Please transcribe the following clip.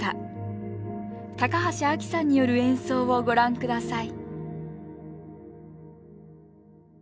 高橋アキさんによる演奏をご覧ください